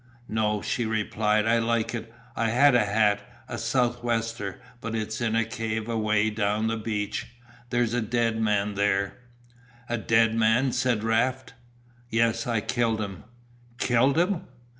"No," she replied, "I like it. I had a hat a sou'wester but it's in a cave away down the beach. There's a dead man there." "A dead man?" said Raft. "Yes. I killed him." "Killed him?"